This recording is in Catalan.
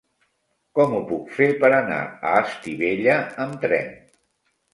Com ho puc fer per anar a Estivella amb tren?